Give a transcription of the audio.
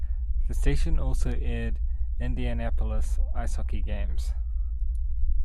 The station also aired Indianapolis Ice hockey games.